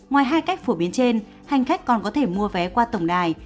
ngoài hai cách phổ biến trên hành khách còn có thể mua vé qua tổng đài